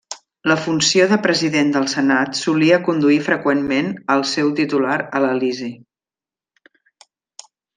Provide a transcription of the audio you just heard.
La funció de president del Senat solia conduir freqüentment al seu titular a l'Elisi.